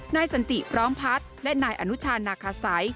สันติพร้อมพัฒน์และนายอนุชานาคาสัย